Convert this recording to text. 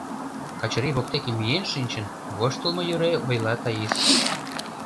— Качырий воктеке миен шинчын, воштылмо йӧре ойла Таис.